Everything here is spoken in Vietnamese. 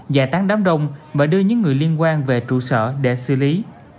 giải tán đám đông và đưa những người liên quan về trụ sở để xử lý